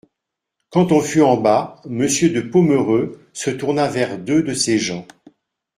Quand on fut en bas, Monsieur de Pomereux se tourna vers deux de ses gens.